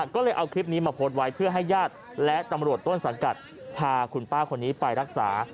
ก็เลยเอาคลิปนี้มาโพสต์ไว้เพื่อให้ญาติและตำรวจต้นสังกัดพาคุณป้าคนนี้ไปรักษา